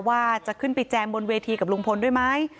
ว่าจะขึ้นไปแจมบนเวทีกับลุงพลด้วยไหม